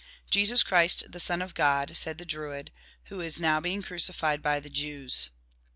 "Jesus Christ, the son of God," said the Druid, "who is now being crucified by the Jews."